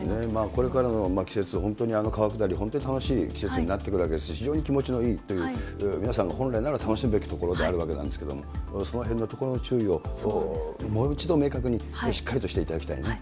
これからの季節、本当に川下り、本当に楽しい季節になってくるわけですし、非常に気持ちのいい、皆さん、本来なら楽しむべきところではあるわけですけれども、そのへんのところの注意を、もう一度明確にしっかりとしていただきたいね。